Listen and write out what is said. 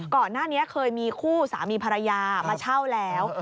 ก่อนหน้านี้เคยมีคู่สามีภรรยามาเช่าแล้ว